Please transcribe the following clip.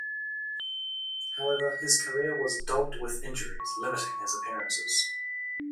However, his career was dogged with injuries, limiting his appearances.